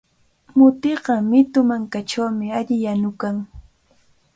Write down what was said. Mutiqa mitu mankachawmi alli yanukan.